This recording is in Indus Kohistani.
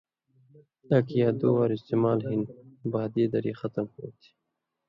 ایک یا دُو وار استعمال ہِن بادی دڑی ختُم ہوتھی۔